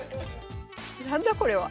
なんだこれは。